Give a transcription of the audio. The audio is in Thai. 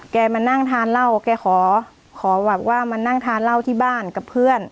มานั่งทานเหล้าแกขอแบบว่ามานั่งทานเหล้าที่บ้านกับเพื่อน